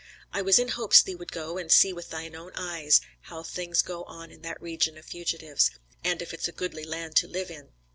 I was in hopes thee would go and see with thy own eyes, how things go on in that region of fugitives, and if it's a goodly land to live in.